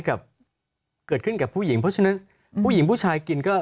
เกิดขึ้นกับผู้หญิงเพราะฉะนั้นผู้หญิงผู้ชายกินก็